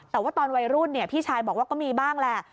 แต่ว่าตอนวัยรุ่นพี่ชายบอกว่าก็มีบ้างแหละ